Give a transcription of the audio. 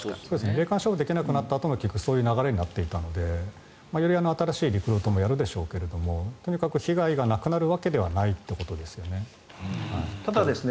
霊感商法ができなくなったあともよりそういう流れになっていたのでより新しいリクルートもやるでしょうがとにかく被害がなくなるわけではないと。